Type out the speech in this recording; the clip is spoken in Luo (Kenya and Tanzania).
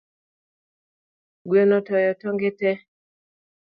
Gweno otoyo tong’ tee